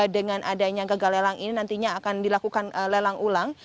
dengan adanya gagal lelang ini nantinya akan dilakukan lelang ulang